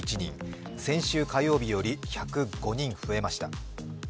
先週火曜日より１０５人増えました。